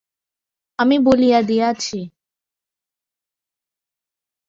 আমি বলিয়া দিয়াছি।